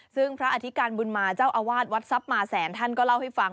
ซึ่งพระอธิการบุญมาเจ้าอาวาสวัดทรัพย์มาแสนท่านก็เล่าให้ฟัง